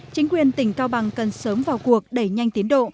chính quyền tỉnh cao bằng cần sớm vào cuộc đẩy nhanh tiến độ